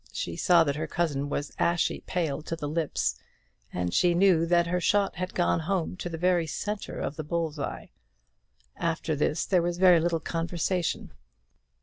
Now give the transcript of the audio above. She saw that her cousin was ashy pale to the lips, and she knew that her shot had gone home to the very centre of the bull's eye. After this there was very little conversation.